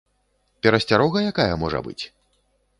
Перасцярога якая можа быць?